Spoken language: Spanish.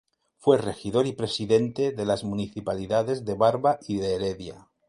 Fue regidor y presidente de las municipalidades de Barva y de Heredia.